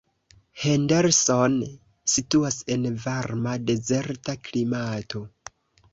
Henderson situas en varma dezerta klimato.